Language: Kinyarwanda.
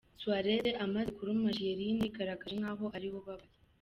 Suarez amaze kuruma Chiellini yigaragaje nk’aho ari we ubabaye.